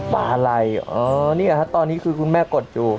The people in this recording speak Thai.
บาลัยอ๋อตอนนี้คือคุณแม่กดอยู่